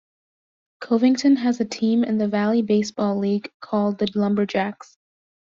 Covington has a team in the Valley Baseball League called the Lumberjacks.